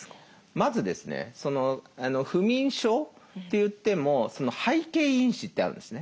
まずですね不眠症といっても背景因子ってあるんですね。